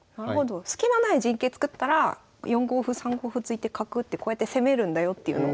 スキのない陣形作ったら４五歩３五歩突いて角打ってこうやって攻めるんだよっていうのを。